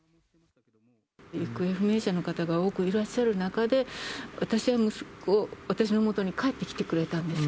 行方不明者の方が多くいらっしゃる中で、私は息子が、私の元に帰ってきてくれたんです。